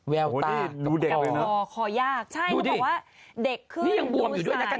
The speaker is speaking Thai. แววตาดูเด็กเลยน่ะอ๋อคอยากใช่เขาบอกว่าเด็กขึ้นนี่ยังบวมอยู่ด้วยน่ะกัน